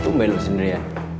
tumbe lo sendiri ya